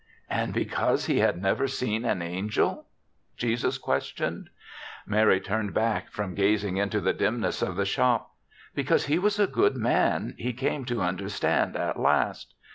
"And because he had never seen an angel?" Jesus questioned. Mary turned back from gazing into the dimness of the shop. "Because he was a good man, he came to un derstand at last.